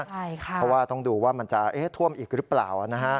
เพราะว่าต้องดูว่ามันจะท่วมอีกหรือเปล่า